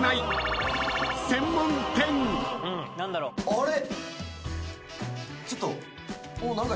あれ？